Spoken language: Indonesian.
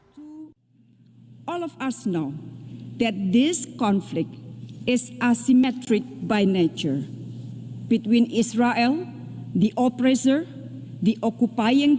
dan para palestina para penghantar yang selalu terhutang